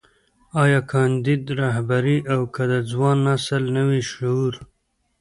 ايا کانديد رهبري او که د ځوان نسل نوی شعور.